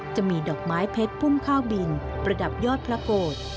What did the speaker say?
จะมีดอกไม้เพชรพุ่มข้าวบินประดับยอดพระโกรธ